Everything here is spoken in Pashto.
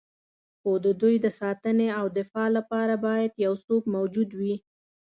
خو د دوی د ساتنې او دفاع لپاره باید یو څوک موجود وي.